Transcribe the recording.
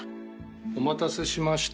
お待たせしました。